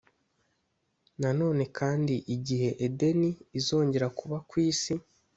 na none kandi igihe edeni izongera kuba ku isi